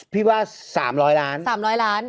พี่ว่า๓๐๐ล้าน๓๐๐ล้าน